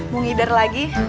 mau ngider lagi